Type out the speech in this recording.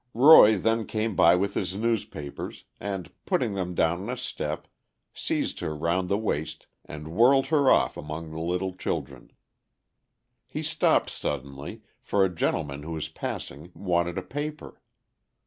Roy then came by with his newspapers, and, putting them down on a step, seized her round the waist and whirled her off among the little children. He stopped suddenly, for a gentleman who was passing wanted a paper.